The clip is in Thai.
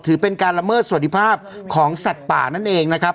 ถือเป็นการละเมิดสวัสดิภาพของสัตว์ป่านั่นเองนะครับ